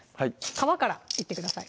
皮からいってください